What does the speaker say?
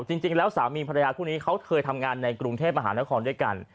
จริงแล้วสามีภรรยาคู่นี้เขาเคยทำงานในกรุงเทพมหานครด้วยกัน